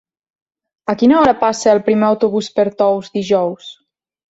A quina hora passa el primer autobús per Tous dijous?